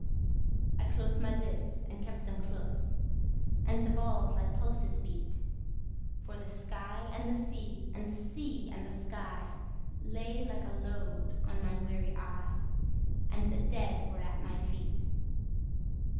I closed my lids, and kept them close, And the balls like pulses beat; For the sky and the sea, and the sea and the sky Lay like a load on my weary eye, And the dead were at my feet.